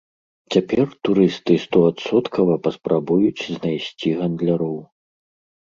Цяпер турысты стоадсоткава паспрабуюць знайсці гандляроў.